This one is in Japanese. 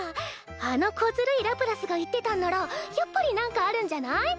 あのこずるいラプラスが言ってたんならやっぱり何かあるんじゃない？